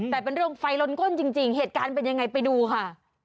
แต่เป็นเรื่องไฟล้นก้นจริงเหตุการณ์เป็นยังไงไปดูค่ะ